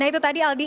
nah itu tadi albi